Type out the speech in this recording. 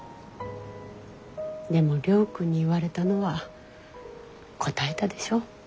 でも亮君に言われたのはこたえたでしょ。